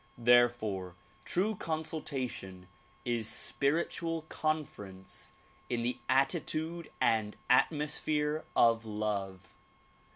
Therefore trae consultation is spiritual conference in the attitude and atmosphere of love.